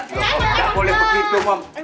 gak boleh begitu mam